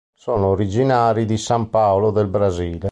Sono originari di San Paolo del Brasile.